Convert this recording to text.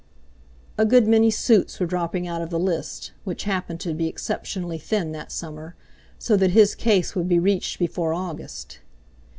A good many suits were dropping out of the list, which happened to be exceptionally thin that summer, so that his case would be reached before August.